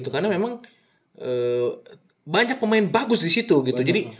karena memang banyak pemain bagus disitu gitu